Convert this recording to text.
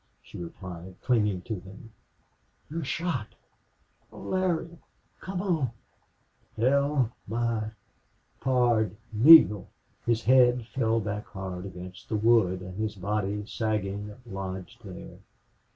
she replied, clinging to him. "You're shot!... Oh, Larry come on!" "TELL MY PARD NEALE " His head fell back hard against the wood and his body, sagging, lodged there.